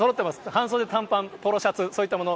半袖短パンポロシャツ、そういったもの。